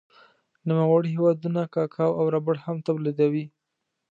نوموړی هېوادونه کاکاو او ربړ هم تولیدوي.